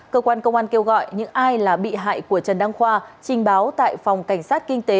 cơ quan công an kêu gọi những ai là bị hại của trần đăng khoa trình báo tại phòng cảnh sát kinh tế